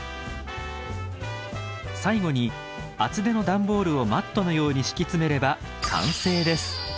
最後に厚手の段ボールをマットのように敷き詰めれば完成です。